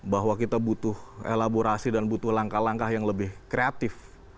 bahwa kita butuh elaborasi dan butuh langkah langkah yang lebih kreatif